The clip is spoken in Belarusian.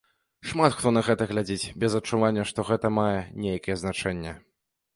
Шмат хто на гэта глядзіць без адчування, што гэта мае нейкае значэнне.